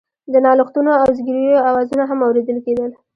د نالښتونو او زګيرويو آوازونه هم اورېدل کېدل.